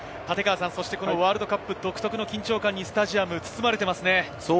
ワールドカップ独特の緊張感にスタジアムが包まれていますね。